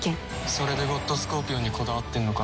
それでゴッドスコーピオンにこだわってんのか。